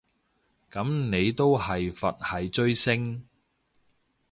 噉你都係佛系追星